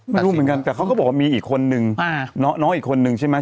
ไม่รู้เหมือนกันแต่เขาก็บอกว่ามีอีกคนนึงอ่าน้องน้องอีกคนนึงใช่ไหม